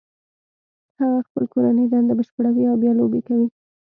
هغه خپل کورنۍ دنده بشپړوي او بیا لوبې کوي